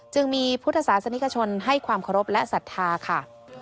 จึงมีพุทธศาสนิกชนให้ความเคารพและศรัทธาค่ะ